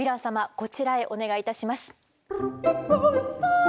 こちらへお願いいたします。